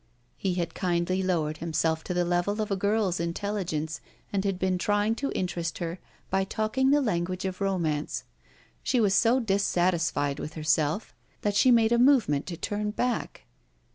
_ He had kindly lowered himself to the level of a girl's intelligence, and had been trying to interest her by talking the language of romance. She was so dissatisfied with herself that she made a movement to turn back.